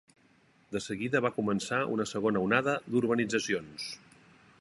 De seguida va començar una segona onada d'urbanitzacions.